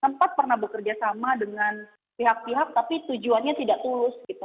sempat pernah bekerja sama dengan pihak pihak tapi tujuannya tidak tulus gitu